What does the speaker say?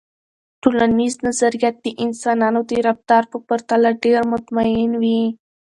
ټولنیز نظریات د انسانانو د رفتار په پرتله ډیر مطمئن وي.